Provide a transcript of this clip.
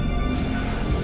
tidak ada yang bisa dikira